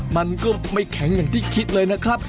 มันก็ไม่แข็งอย่างที่คิดเลยนะครับ